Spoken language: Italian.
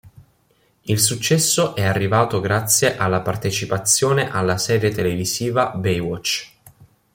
Il successo è arrivato grazie alla partecipazione alla serie televisiva "Baywatch".